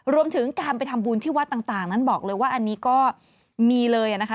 รวมถึงการไปทำบุญที่วัดต่างนั้นบอกเลยว่าอันนี้ก็มีเลยนะคะ